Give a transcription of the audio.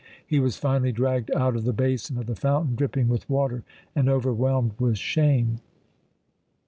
He was finally dragged out of the basin of the fountain, dripping with water and overwhelmed with shame."